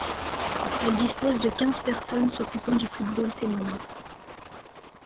Elle dispose de quinze personnes s'occupant du football féminin.